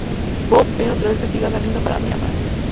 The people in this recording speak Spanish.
Bob otra vez castiga a Linda para mimar.